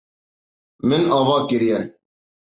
Min ava kiriye.